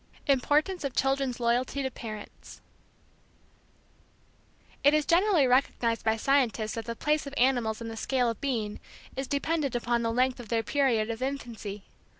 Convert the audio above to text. IMPORTANCE OF CHILDREN'S LOYALTY TO PARENTS It is generally recognized by scientists that the place of animals in the scale of being is dependent upon the length of their period of infancy.